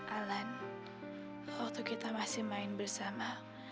alan waktu kita masih main bersama